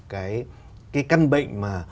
cái căn bệnh mà